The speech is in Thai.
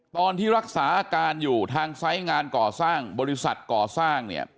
ตอนที่รักษาอาการอยู่ทางไซส์งานก่อสร้างบริษัทก่อสร้างเนี่ย